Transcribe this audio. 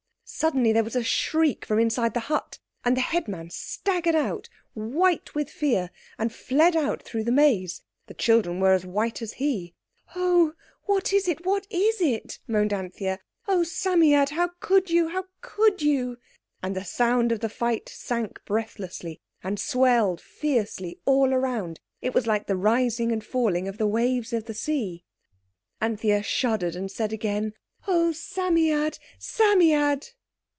Suddenly there was a shriek from inside the hut, and the headman staggered out white with fear and fled out through the maze. The children were as white as he. "Oh! What is it? What is it?" moaned Anthea. "Oh, Psammead, how could you! How could you!" And the sound of the fight sank breathlessly, and swelled fiercely all around. It was like the rising and falling of the waves of the sea. Anthea shuddered and said again, "Oh, Psammead, Psammead!"